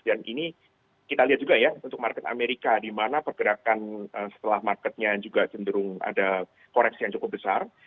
dan ini kita lihat juga ya untuk market amerika di mana pergerakan setelah marketnya juga cenderung ada koreksi yang cukup besar